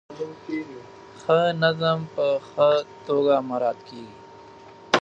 ښاري نظم په ښه توګه مراعات کیږي.